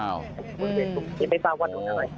ไม่รู้ว่าว่าตัวไหน